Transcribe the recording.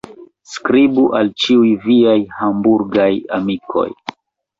Skribu al ĉiuj viaj Hamburgaj amikoj.